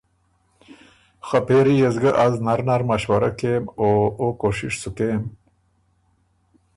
خه پېری يې سو ګه از نر نر مشورۀ کېم او او کوشش سُو کېم۔